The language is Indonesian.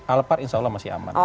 alpar insya allah masih aman